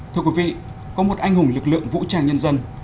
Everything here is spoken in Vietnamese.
thưa quý vị có một anh hùng lực lượng vũ trang nhân dân